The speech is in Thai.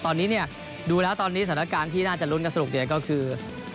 ตอนนี้เนี่ยดูแล้วตอนนี้สถานการณ์ที่น่าจะลุ้นกันสนุกเนี่ยก็คือ